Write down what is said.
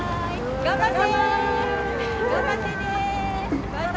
頑張って！